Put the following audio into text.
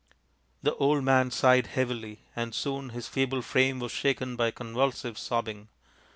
" The old man sighed heavily, and soon his feeble frame was shaken by convulsive sobbing.